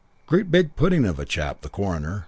Great big pudding of a chap, the coroner.